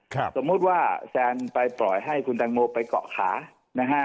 สมมุติว่าแซนไปปล่อยให้คุณตังโมไปเกาะขานะฮะ